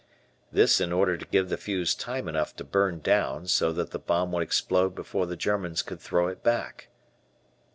This in order to give the fuse time enough to burn down, so that the bomb would explode before the Germans could throw it back.